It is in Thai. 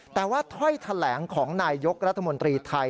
แต่ว่าถ้อยแถลงของนายยกรัฐมนตรีไทย